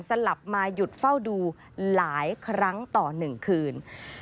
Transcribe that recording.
สลับมาหยุดเฝ้าดูหลายครั้งต่อ๑คืน